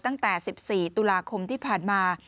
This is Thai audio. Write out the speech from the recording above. ตั้งแต่๑๔ตุลาคมที่ผ่านมา